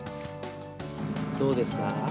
どうですか？